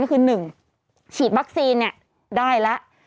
ก็คือ๑ฉีดวัคซีนเนี่ยได้ละ